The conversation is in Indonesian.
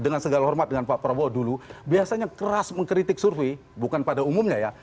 dengan segala hormat dengan pak prabowo dulu biasanya keras mengkritik survei bukan pada umumnya ya